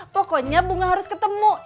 pokoknya bunga harus ketemu